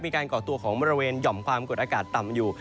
ก่อตัวของบริเวณหย่อมความกดอากาศต่ำอยู่